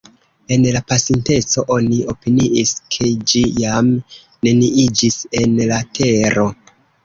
En la pasinteco oni opiniis, ke ĝi jam neniiĝis en la tero.